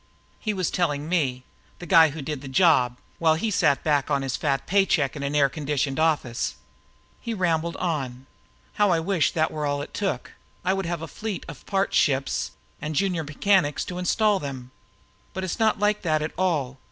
He was telling me the guy who did the job while he sat back on his fat paycheck in an air conditioned office. He rambled on. "How I wish that were all it took! I would have a fleet of parts ships and junior mechanics to install them. But its not like that at all.